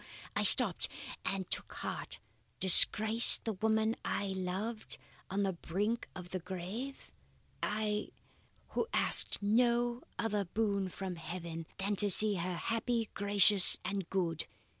I stopped and took heart. Disgrace the woman I loved, on the brink of the grave? I , who asked no other boon from heaven than to see her happy, gracious, and good?